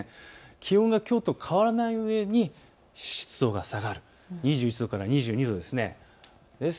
気温がきょうと変わらないうえに湿度が下がる、２１度から２２度です。